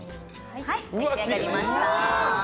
はい、出来上がりました。